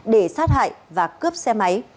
để xác hại và cướp xe máy